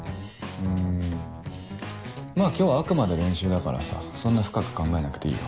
んまぁ今日はあくまで練習だからさそんな深く考えなくていいよ。